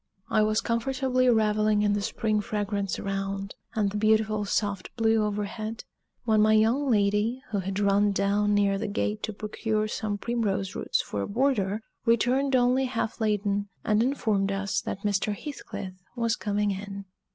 I was comfortably reveling in the spring fragrance around, and the beautiful soft blue overhead, when my young lady, who had run down near the gate to procure some primrose roots for a border, returned only half laden, and informed us that Mr. Heathcliff was coming in.